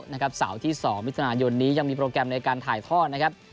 นะครับเสาที่สองวิถีศาลยนนี้ยังมีโปรแกรมการถ่ายทอดนะครับ